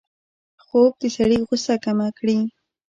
خوب د سړي غوسه کمه کړي